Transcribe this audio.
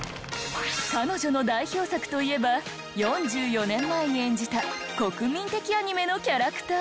彼女の代表作といえば４４年前に演じた国民的アニメのキャラクター。